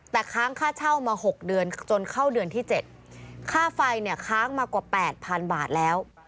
แต่ค้างค่าเช่ามา๖เดือนจนเข้าเดือนที่๗ค่าไฟเนี่ยค้างมากว่า๘๐๐๐บาทแล้ว